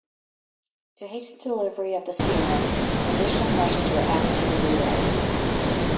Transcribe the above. To hasten delivery of the serum, additional mushers were added to the relay.